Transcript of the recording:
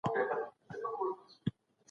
نامعقوله استفاده ضایع کوي.